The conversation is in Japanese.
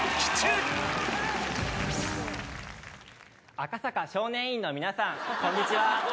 赤坂少年院の皆さん、こんにちは。